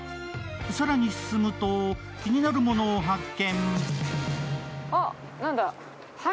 更に進むと、気になるものを発見。